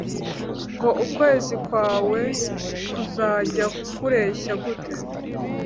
ngo ukwezi kwawe kuzajya kureshya gute